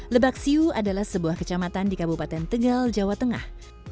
lebak siu adalah sebuah kecamatan di kabupaten tegal jawa tengah